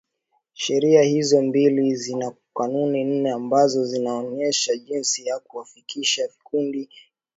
Sheria hizo mbili zina kanuni nne ambazo zinaonesha jinsi ya kuakifisha vikundi elezi kwa viakifishi mwafaka.